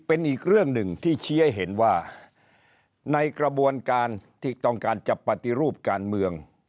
เป็นอีกเรื่องหนึ่งที่ชี้ให้เห็นว่าในกระบวนการที่ต้องการจะปฏิรูปการเมือง